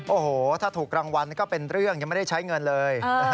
โอ้โหถ้าถูกรางวัลก็เป็นเรื่องยังไม่ได้ใช้เงินเลย